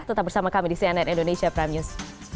tetap bersama kami di cnn indonesia prime news